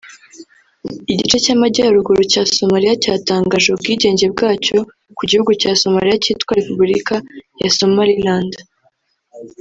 Igice cy’amajyaruguru cya Somalia cyatangaje ubwigenge bwacyo ku gihugu cya Somalia cyitwa Repubulika ya Somaliland